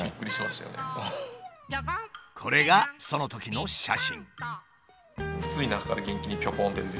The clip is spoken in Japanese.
これがそのときの写真。